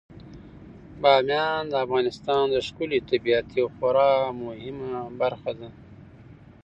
بامیان د افغانستان د ښکلي طبیعت یوه خورا مهمه برخه ده.